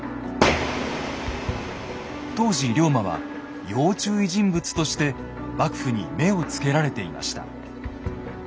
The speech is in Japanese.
当時龍馬は要注意人物として幕府に目をつけられていました。